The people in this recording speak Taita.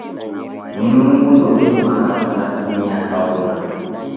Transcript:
Mlungu ndoudimagha kurasimia kaung'a.